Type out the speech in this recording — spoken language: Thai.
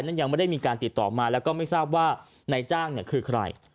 ยังไม่ได้มีการติดต่อมาแล้วก็ไม่ทราบว่านายจ้างคือใคร